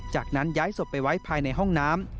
จากนั้นย้ายศพไปไว้ภายในห้องน้ำ